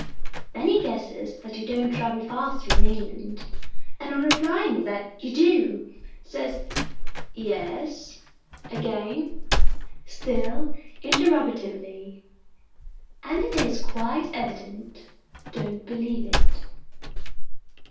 Then he guesses that you don't travel faster in England; and on your replying that you do, says 'Yes?' again (still interrogatively), and it is quite evident, don't believe it.